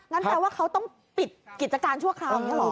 แปลว่าเขาต้องปิดกิจการชั่วคราวนี้เหรอ